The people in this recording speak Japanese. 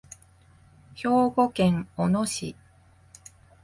兵庫県小野市